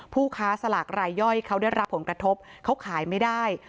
ผู้ค้าสลากรายย่อยเขาได้รับผลกระทบเขาขายไม่ได้